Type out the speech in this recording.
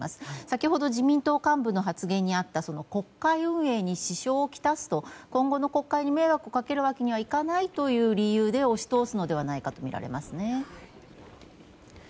先ほど自民党幹部の発言にあった国会運営に支障をきたすと今後の国会に迷惑をかけるわけにはいかないという理由で押し通すのではないかとみられますね。